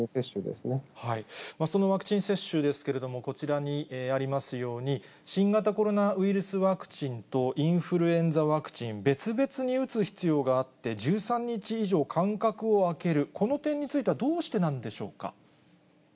そのワクチン接種ですけれども、こちらにありますように、新型コロナウイルスワクチンとインフルエンザワクチン、別々に打つ必要があって、１３日以上、間隔を空ける、この点についてはどうしてなんでしょうか。